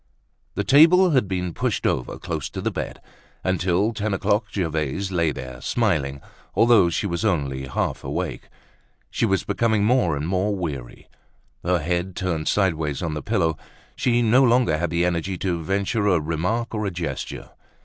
The table had been pushed over close to the bed. Until ten o'clock Gervaise lay there, smiling although she was only half awake. She was becoming more and more weary, her head turned sideways on the pillow. She no longer had the energy to venture a remark or a gesture.